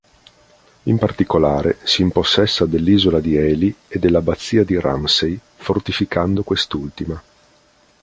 In particolare, si impossessa dell'Isola di Ely e dell’abbazia di Ramsey, fortificando quest'ultima.